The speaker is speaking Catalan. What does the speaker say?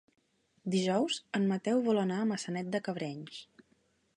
Dijous en Mateu vol anar a Maçanet de Cabrenys.